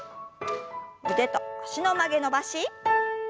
腕と脚の曲げ伸ばし。